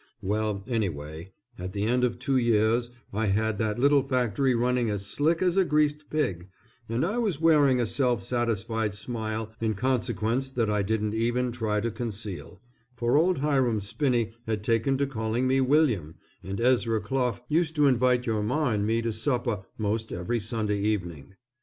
Well, anyway, at the end of two years I had that little factory running as slick as a greased pig, and I was wearing a self satisfied smile in consequence that I didn't even try to conceal, for old Hiram Spinney had taken to calling me William, and Ezra Clough used to invite your Ma and me to supper most every Sunday evening.